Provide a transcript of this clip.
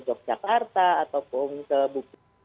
yogyakarta ataupun ke bukit